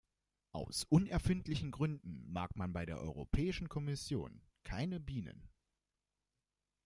Aus unerfindlichen Gründen mag man bei der Europäischen Kommission keine Bienen.